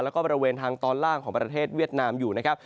แล้วก็บริเวณทางตอนล่างของประเทศเวียดนามอยู่นะครับ